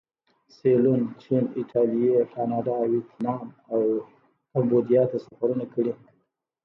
سیلون، چین، ایټالیې، کاناډا، ویتنام او کمبودیا ته سفرونه کړي.